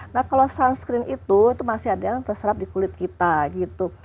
nah kalau sunscreen itu itu masih ada yang terserap di kulit kita gitu